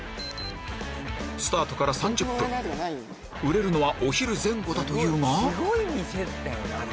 スタートから３０分売れるのはお昼前後だというが？